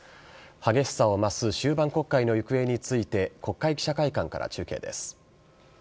激しさを増す終盤国会の行方について国会記者会館から中継です。